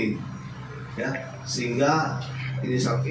sehingga inisial eimin ini dikuburkan ke kppi sehingga inisial eimin ini dikuburkan ke kppi